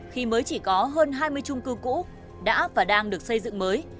khi mới chỉ có hơn hai mươi chung cư cũ đã và đang được xây dựng mới